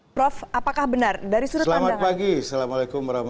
prof apakah benar dari sudut pandangan